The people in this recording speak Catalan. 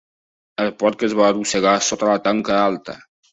El porc es va arrossegar sota la tanca alta.